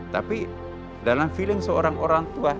tapi dalam feeling seorang orang tua